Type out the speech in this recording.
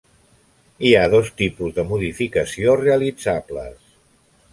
Hi ha dos tipus de modificació realitzables.